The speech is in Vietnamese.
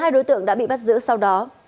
một mươi hai đối tượng đã bị bắt giữ sau đó